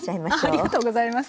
ありがとうございます。